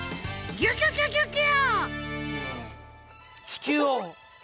ギュギュギュギュギュ！